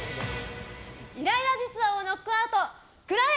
イライラ実話をノックアウトくらえ！